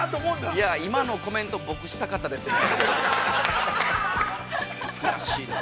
◆いや、今のコメント、僕、したかったですね。